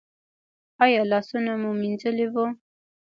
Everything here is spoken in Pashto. ایا لاسونه مو مینځلي وو؟